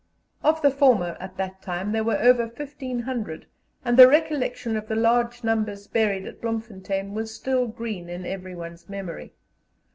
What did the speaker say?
Of the former, at that time, there were over 1,500, and the recollection of the large numbers buried at Bloemfontein was still green in everyone's memory.